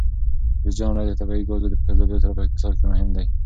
جوزجان ولایت د طبیعي ګازو په درلودلو سره په اقتصاد کې مهم دی.